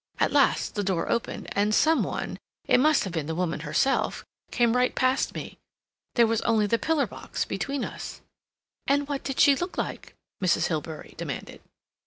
At last the door opened, and some one—it must have been the woman herself—came right past me. There was only the pillar box between us." "And what did she look like?" Mrs. Hilbery demanded.